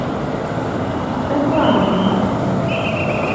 ¿usted no ha bebido?